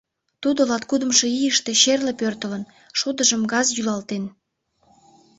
Тудо латкудымшо ийыште черле пӧртылын — шодыжым газ йӱлалтен.